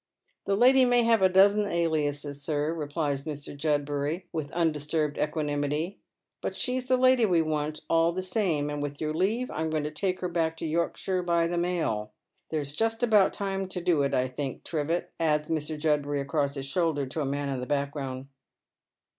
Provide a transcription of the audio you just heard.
" The lady may have a dozen aliases, sir," replies Mr. Judburyi 330 Dead Men's Shoen. with undisturbed equanimity ;" but she's the lady we want, alt the same ; and with your leave, I'm going to take her back to Yorkshire by the mail. There's just about time to do it, I think, Trivett," adds Mr. Judbury across his shoulder to a man in the background.